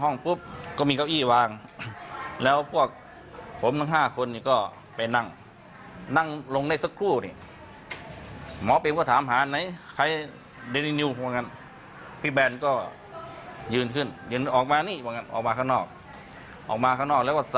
นายแพทย์เบรมศักดิ์เ